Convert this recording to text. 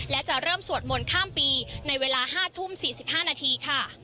และจะเริ่มสวดมนต์ข้ามปีในเวลา๕ทุ่ม๔๕นาทีค่ะ